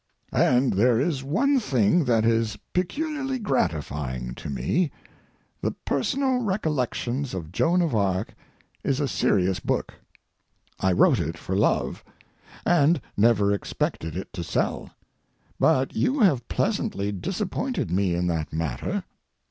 And there is one thing that is peculiarly gratifying to me: the Personal Recollections of Joan of Arc is a serious book; I wrote it for love, and never expected it to sell, but you have pleasantly disappointed me in that matter.